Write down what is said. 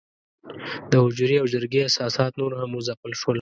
د حجرې او جرګې اساسات نور هم وځپل شول.